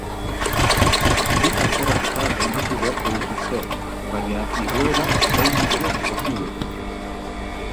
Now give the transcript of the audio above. Bi kanporaketa gainditu beharko dituzte, baina igoera oraindik ere posible da.